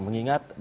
ya terima kasih